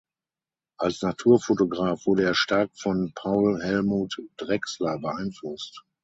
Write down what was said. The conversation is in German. Als Naturfotograf wurde er stark von Paul Helmut Drechsler beeinflusst.